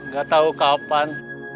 gak tahu kapan